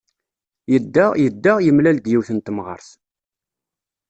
Yedda, yedda, yemlal-d yiwet n temɣart.